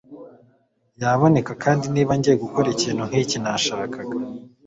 yaboneka kandi niba ngiye gukora ikintu nkiki nashakaga